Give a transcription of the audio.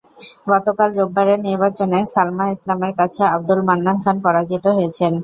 গতকাল রোববারের নির্বাচনে সালমা ইসলামের কাছে আব্দুল মান্নান খান পরাজিত হয়েছেন।